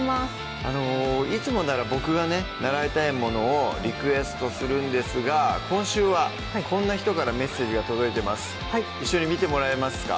いつもならボクがね習いたいものをリクエストするんですが今週はこんな人からメッセージが届いてます一緒に見てもらえますか？